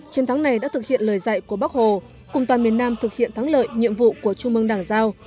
chiến thắng này đã thực hiện lời dạy của bác hồ cùng toàn miền nam thực hiện thắng lợi nhiệm vụ của trung mương đảng giao